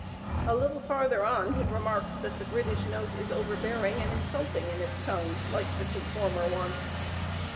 A little farther on he remarks that "the British note is overbearing and insulting in its tone, like the two former ones."